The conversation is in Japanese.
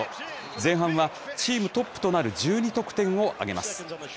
前半はチームトップとなる１２得点を挙げます。